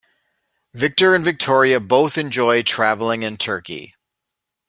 Victor and Victoria both enjoy traveling in Turkey.